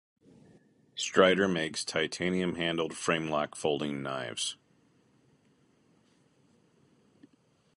Strider makes titanium handled framelock folding knives.